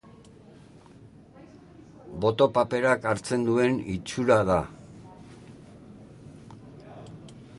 Boto paperak hartzen duen itxura da.